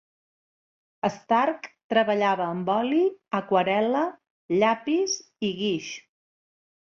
Stark treballava amb oli, aquarel·la, llapis i guix.